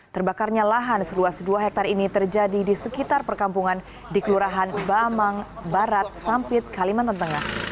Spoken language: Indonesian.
terbakarnya lahan seluas dua hektare ini terjadi di sekitar perkampungan di kelurahan bamang barat sampit kalimantan tengah